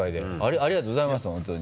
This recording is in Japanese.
ありがとうございました本当に。